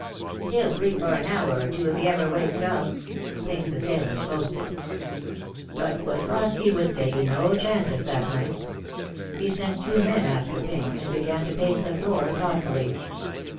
"He'll sleep for an hour or two, if he ever wakes up," Pink's assailant boasted. But Woslosky was taking no chances that night. He sent two men after Pink, and began to pace the floor thoughtfully.